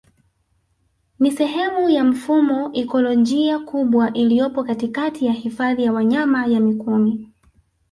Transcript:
Ni sehemu ya mfumo ikolojia kubwa iliyopo katikati ya Hifadhi ya Wanyama ya mikumi